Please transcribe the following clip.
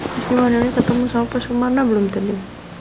mas jum'at ini ketemu sama pak sumarna belum tadi